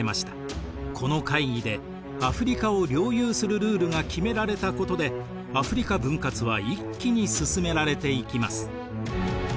この会議でアフリカを領有するルールが決められたことでアフリカ分割は一気に進められていきます。